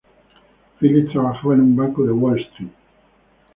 Phillip trabaja en un banco de Wall Street.